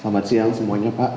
selamat siang semuanya pak